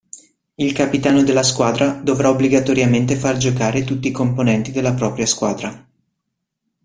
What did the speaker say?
Il capitano della squadra dovrà obbligatoriamente far giocare tutti i componenti della propria squadra.